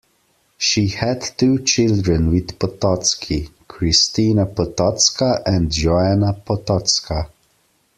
She had two children with Potocki: Krystyna Potocka and Joanna Potocka.